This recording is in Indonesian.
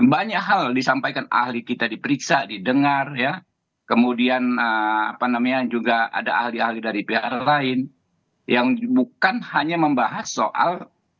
banyak hal disampaikan ahli kita diperiksa didengar ya kemudian apa namanya juga ada ahli ahli dari pihak lain yang bukan hanya membahas soal